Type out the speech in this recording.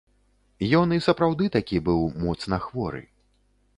Ён і сапраўды такі быў моцна хворы.